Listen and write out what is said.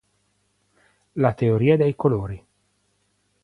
La teoria dei colori